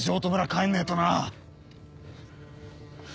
帰んねえとな。